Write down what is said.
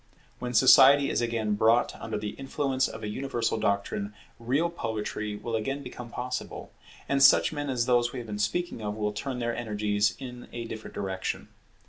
When Society is again brought under the influence of a universal doctrine, real poetry will again become possible; and such men as those we have been speaking of will turn their energies in a different direction.